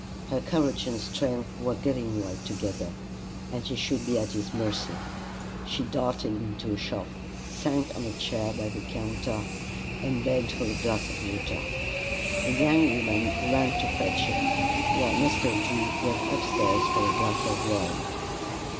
Her courage and strength were giving way together, and she should be at his mercy. She darted into a shop, sank on a chair by the counter, and begged for a glass of water. A young woman ran to fetch it, while Mr. Drew went upstairs for a glass of wine.